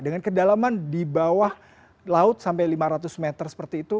dengan kedalaman di bawah laut sampai lima ratus meter seperti itu